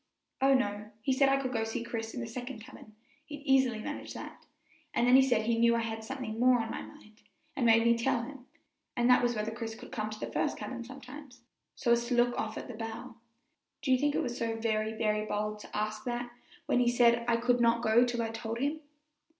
"Oh, no; he said I could go to see Chris in the second cabin he'd easily manage that and then he said he knew I had something more on my mind, and made me tell him, and that was whether Chris could come to the first cabin sometimes, so as to look off at the bow. Do you think it was so very, very bold to ask that when he said I could not go till I told him?"